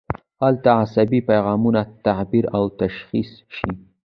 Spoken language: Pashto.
هلته عصبي پیغامونه تعبیر او تشخیص شي.